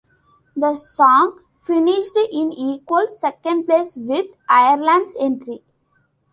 The song finished in equal second place with Ireland's entry.